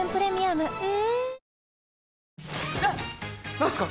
何ですか？